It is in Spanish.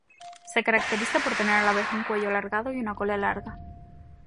Se caracteriza por tener a la vez un cuello alargado y una cola larga.